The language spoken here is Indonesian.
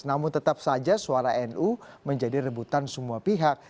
namun tetap saja suara nu menjadi rebutan semua pihak